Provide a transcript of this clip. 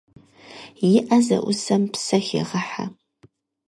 И ӏэ зэӏусэм псэ хегъэхьэ.